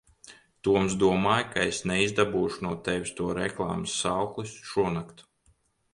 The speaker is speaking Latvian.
Toms domāja, ka es neizdabūšu no tevis to reklāmas saukli šonakt.